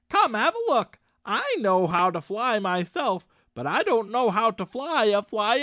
" Come have a look. I know how to fly myself, but I don't know how to fly a Flyaboutabus."